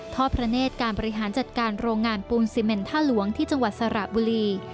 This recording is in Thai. พระเนธการบริหารจัดการโรงงานปูนซีเมนท่าหลวงที่จังหวัดสระบุรี